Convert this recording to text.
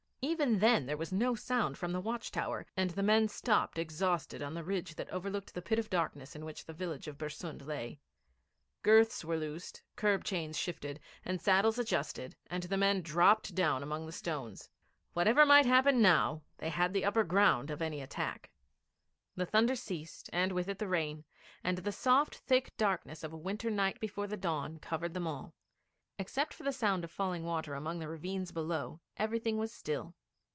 Even then there was no sound from the watch tower, and the men stopped exhausted on the ridge that overlooked the pit of darkness in which the village of Bersund lay. Girths were loosed, curb chains shifted, and saddles adjusted, and the men dropped down among the stones. Whatever might happen now, they had the upper ground of any attack. The thunder ceased, and with it the rain, and the soft thick darkness of a winter night before the dawn covered them all. Except for the sound of falling water among the ravines below, everything was still.